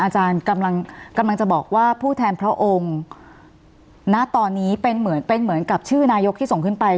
อาจารย์กำลังจะบอกว่าผู้แทนพระองค์ณตอนนี้เป็นเหมือนเป็นเหมือนกับชื่อนายกที่ส่งขึ้นไป